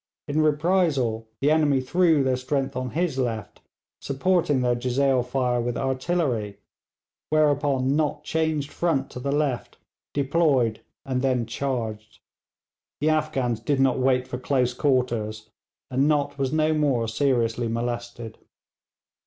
In reprisal the enemy threw their strength on his left, supporting their jezail fire with artillery, whereupon Nott changed front to the left, deployed, and then charged. The Afghans did not wait for close quarters, and Nott was no more seriously molested.